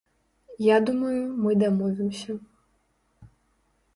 Я думаю, мы дамовімся.